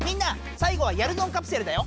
さいごはやるぞんカプセルだよ！